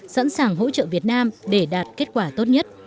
sẵn sàng hỗ trợ việt nam để đạt kết quả tốt nhất